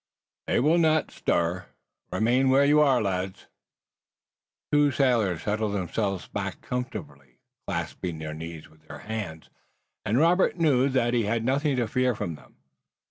"They will not stir. Remain where you are, lads." The two sailors settled themselves back comfortably, clasping their knees with their hands, and Robert knew that he had nothing to fear from them.